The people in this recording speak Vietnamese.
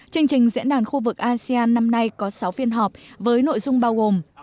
chương trình diễn đàn khu vực asean năm nay có sáu phiên họp với nội dung bao gồm